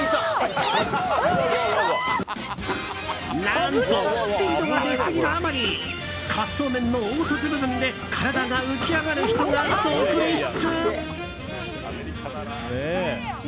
何とスピードが出すぎるあまり滑走面の凹凸部分で体が浮き上がる人が続出。